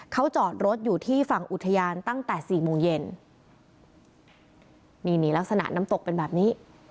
เขาจอดรถอยู่ที่ฝั่งอุทยานตั้งแต่สี่โมงเย็นนี่นี่ลักษณะน้ำตกเป็นแบบนี้